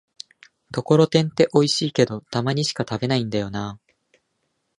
ところてんっておいしいけど、たまにしか食べないんだよなぁ